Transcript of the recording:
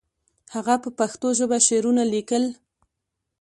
هغه په پښتو ژبه شعرونه لیکل.